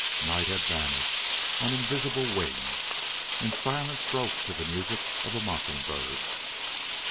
Night had vanished on invisible wings and silence broke to the music of a mockingbird.